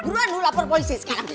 buruan lu lapor polisi sekarang